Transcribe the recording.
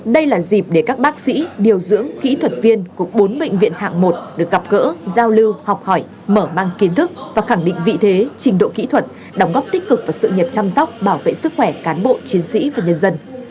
đây là dịp để các bác sĩ điều dưỡng kỹ thuật viên của bốn bệnh viện hạng một được gặp gỡ giao lưu học hỏi mở mang kiến thức và khẳng định vị thế trình độ kỹ thuật đóng góp tích cực vào sự nghiệp chăm sóc bảo vệ sức khỏe cán bộ chiến sĩ và nhân dân